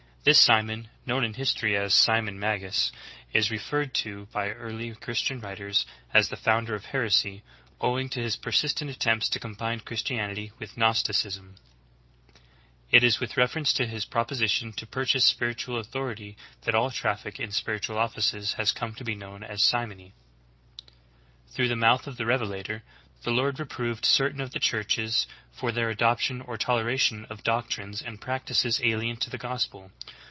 * This Simon, known in history as Simon Magus, is referred to by early Christian writers as the founder of heresy, owing to his persistent attempts to combine Christianity with Gnosticism. a See Acts 8:9, 13, 18 24. ^Eusebius, "Ecclesiastical History," Book II, ch. 1. JUDAISTIC PERVERSIONS. 97 It is with reference to his proposition to purchase spiritual authority that all traffic in spiritual offices has come to be known as simony. 3. Through the mouth of the Revelator, the Lord re proved certain of the churches for their adoption or tolera tion of doctrines and practices alien to the gospel.